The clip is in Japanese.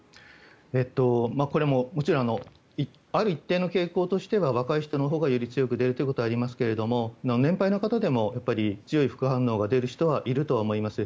これももちろんある一定の傾向としては若い人のほうが、より強く出ることはありますけども年配の方でも強い副反応が出る方はいると思います。